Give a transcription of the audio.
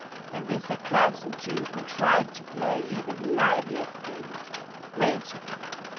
And this accursed Jew contrived to play even the liveliest things plaintively.